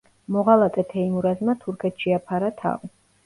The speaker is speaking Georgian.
მოღალატე თეიმურაზმა თურქეთს შეაფარა თავი.